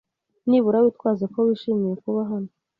Nibura witwaze ko wishimiye kuba hano.